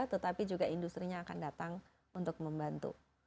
tetapi juga industri nya akan datang untuk membantu